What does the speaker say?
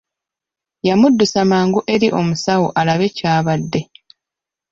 Yamuddusa mangu eri omusawo alabe ky'abadde.